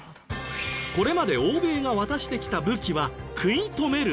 これまで欧米が渡してきた武器は食い止めるため。